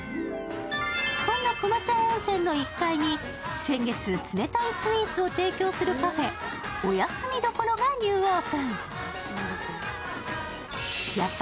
そんな、くまちゃん温泉の１階に、先月冷たいスイーツを提供するカフェおやすみ処がニューオープン。